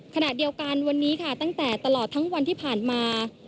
ขณะเดียวกันวันนี้ค่ะตั้งแต่ตลอดทั้งวันที่ผ่านมา